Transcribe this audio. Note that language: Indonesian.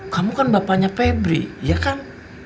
kamu kan bapaknya pebri ya kan